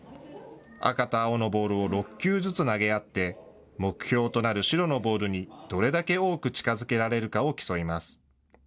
赤と青のボールを６球ずつ投げ合って目標となる白のボールにどれだけ多く近づけられるかを競います。